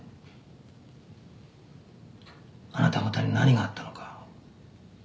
あなた方に何があったのか。